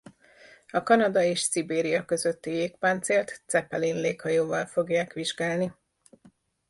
A Kanada és Szibéria közötti jégpáncélt Zeppelin léghajóval fogják vizsgálni.